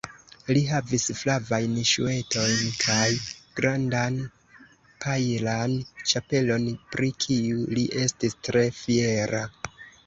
Li havis flavajn ŝuetojn kaj grandan pajlan ĉapelon, pri kiu li estis tre fiera.